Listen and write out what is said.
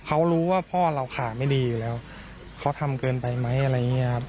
เขารู้ว่าพ่อเราขาไม่ดีอยู่แล้วเขาทำเกินไปไหมอะไรอย่างเงี้ยครับ